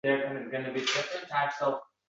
Men bu haqda juda koʻp oʻylayman.